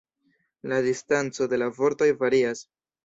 La distanco de la vortoj varias.